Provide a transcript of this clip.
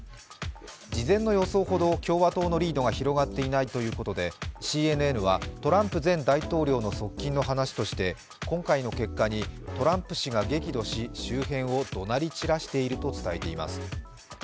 事前の予想ほど共和党のリードが広がっていないということでＣＮＮはトランプ前大統領の側近の話として、今回の結果にトランプ氏が激怒し周辺を怒鳴り散らしていると伝えています。